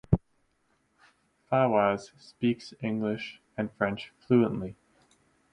Fawaz speaks English and French fluently.